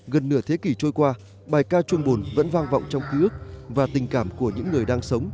gần nửa thế kỷ trôi qua bài ca trôn bùn vẫn vang vọng trong ký ức và tình cảm của những người đang sống